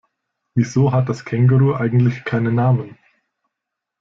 Wieso hat das Känguru eigentlich keinen Namen?